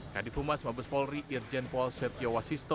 kadif umar mabes polri irjen pol setiawa sisto